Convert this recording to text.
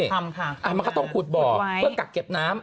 ทำค่ะขุดไว้มันก็ต้องขุดบ่อเพื่อกักเก็บน้ำ